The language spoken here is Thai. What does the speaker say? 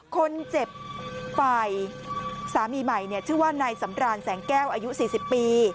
คนเจ็บฝ่ายสามีใหม่ชื่อว่านายสำรานแสงแก้วอายุ๔๐ปี